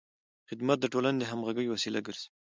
خدمت د ټولنې د همغږۍ وسیله ګرځي.